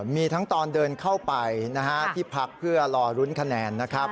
มีทั้งตอนเดินเข้าไปที่พักเพื่อรอรุ้นคะแนนนะครับ